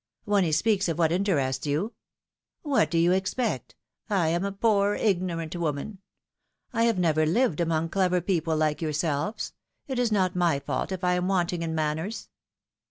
When he speaks of what interests you." What do you expect? I am a poor, ignorant woman. I have never lived among clever people like yourselves ; it is not my fault if I am wanting in manners